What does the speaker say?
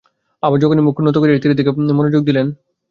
আবার তখনই মুখ নত করিয়া তীরের ফলার দিকে মনোযোগ দিলেন।